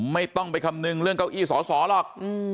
ไม่ต้องไปคำนึงเรื่องเก้าอี้สอสอหรอก